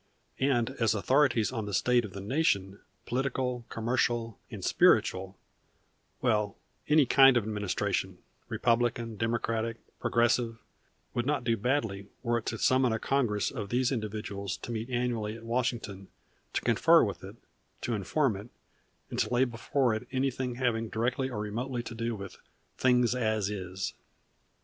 And as authorities on the state of the nation, political, commercial, and spiritual well, any kind of administration, Republican, Democratic, Progressive, would not do badly were it to summon a congress of these individuals to meet annually at Washington, to confer with it, to inform it, and to lay before it anything having directly or remotely to do with "things as is."